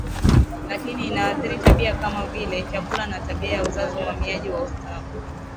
lakini inaathiri tabia kama vile chakula na tabia ya uzazi uhamiaji na ustawi